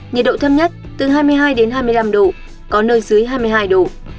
nhiệt độ thêm nhất từ hai mươi hai hai mươi năm độ có nơi dưới hai mươi hai độ